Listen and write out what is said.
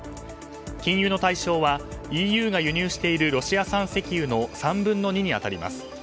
禁輸の対象はＥＵが輸入しているロシア産石油の３分の２に当たります。